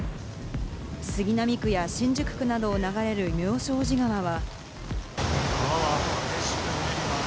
杉並区や新宿区などを流れる妙正寺川は。